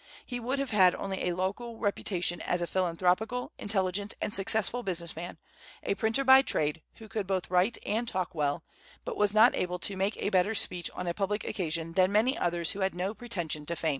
He would have had only a local reputation as a philanthropical, intelligent, and successful business man, a printer by trade, who could both write and talk well, but was not able to make a better speech on a public occasion than many others who had no pretension to fame.